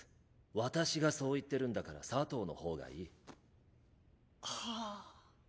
私がそう言ってるんだからサトウの方がいい。はあ。